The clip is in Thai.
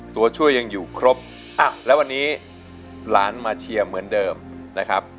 ตัวช่วยยังอยู่ครบแล้ววันนี้หลานมาเชียร์เหมือนเดิมนะครับ